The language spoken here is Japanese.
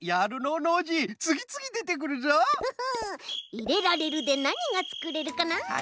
「いれられる」でなにがつくれるかな？